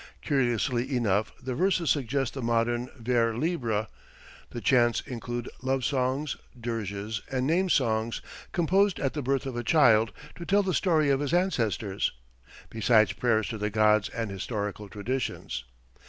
Curiously enough the verses suggest the modern vers libre. The chants include love songs, dirges and name songs composed at the birth of a child to tell the story of his ancestors besides prayers to the gods and historical traditions.